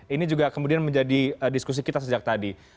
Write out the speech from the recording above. ini juga kemudian menjadi diskusi kita sejak tadi